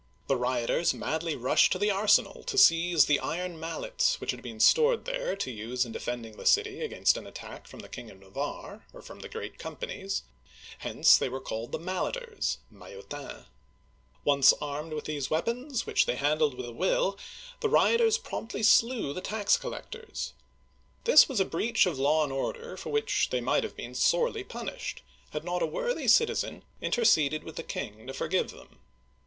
The rioters madly rushed to the arsenal to seize the iron mallets which had been stored there to use in defending the city against an attack from the King of Navarre, or the Great Companies; hence they were called the Mal leters {Maillotins) , Once armed with these weapons, which they handled with a will, the rioters promptly slew the tax collectors. This was a breach of law and order for which they might have been sorely punished, had not a worthy citizen interceded with the king to forgive them.